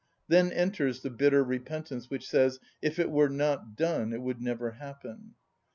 Then enters the bitter repentance, which says, "If it were not done it would never happen."